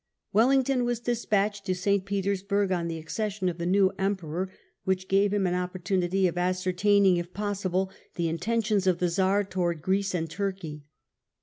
Wellington was despatched to St. Petersburg on the accession of the new Emperor, which gave him an opportunity of ascertaining, if possible, the intentions of the Czar towards Greece and Turkey.